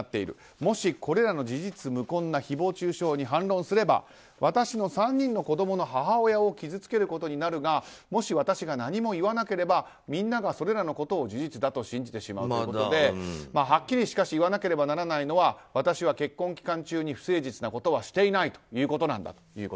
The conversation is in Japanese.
もし、これらの事実無根な誹謗中傷に反論すれば私の３人の子供の母親を傷つけることになるがもし私が何も言わなければみんながそれらのことを事実だと信じてしまうということではっきり言わなければならないのは私は結婚期間中に不誠実なことはしていないんだということなんだと。